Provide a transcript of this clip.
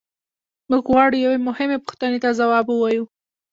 موږ غواړو یوې مهمې پوښتنې ته ځواب ووایو.